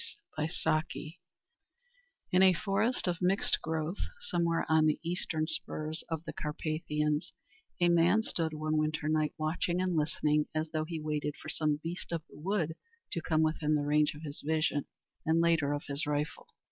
THE INTERLOPERS In a forest of mixed growth somewhere on the eastern spurs of the Karpathians, a man stood one winter night watching and listening, as though he waited for some beast of the woods to come within the range of his vision, and, later, of his rifle.